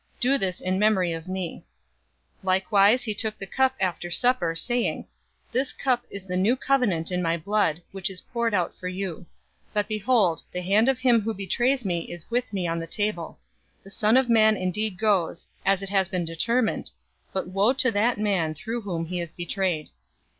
Do this in memory of me." 022:020 Likewise, he took the cup after supper, saying, "This cup is the new covenant in my blood, which is poured out for you. 022:021 But behold, the hand of him who betrays me is with me on the table. 022:022 The Son of Man indeed goes, as it has been determined, but woe to that man through whom he is betrayed!"